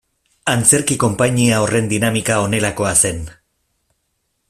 Antzerki konpainia horren dinamika honelakoa zen.